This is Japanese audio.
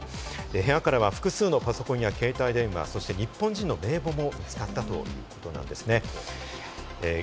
部屋からは複数のパソコンや携帯電話、そして日本人の名簿も見つかったということなんですね。